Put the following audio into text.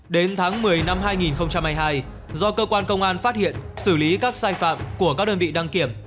đến tháng một mươi năm hai nghìn hai mươi hai do cơ quan công an phát hiện xử lý các sai phạm của các đơn vị đăng kiểm